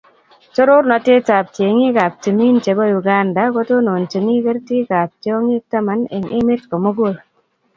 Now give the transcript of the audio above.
Torornatetab cheng'ikab timin chebo Uganda kotononchi kertikab tyong'ik taman eng' emet komugul.